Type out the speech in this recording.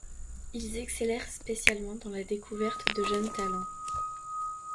Ils excellèrent spécialement dans la découverte de jeunes talents.